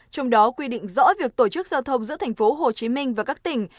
trong đó quy định rõ việc tổ chức giao thông giữa tp hcm và các tỉnh